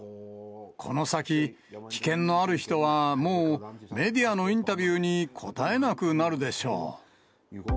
この先、危険のある人は、もうメディアのインタビューに応えなくなるでしょう。